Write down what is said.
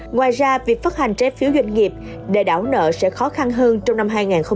ngoài ra việc phát hành trái phiếu doanh nghiệp để đảo nợ sẽ khó khăn hơn trong năm hai nghìn hai mươi